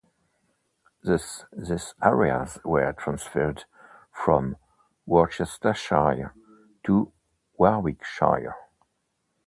Thus these areas were transferred from Worcestershire to Warwickshire.